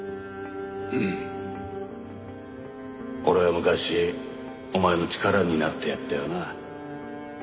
俺は昔お前の力になってやったよな？